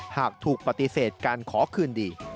หากถูกปฏิเสธการขอคืนดี